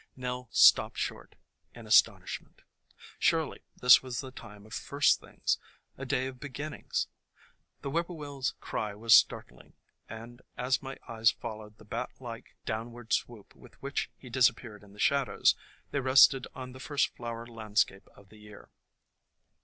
Nell stopped short, in astonishment. Surely this was the time of first things; a day of beginnings! The whippoorwilPs cry was startling, and as my eyes followed the bat like downward swoop with which he disappeared in the shadows, they rested on the first flower landscape of the year.